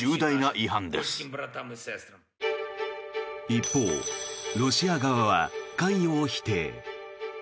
一方、ロシア側は関与を否定。